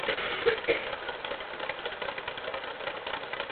Nicméně se od dětství toužil věnovat hudbě.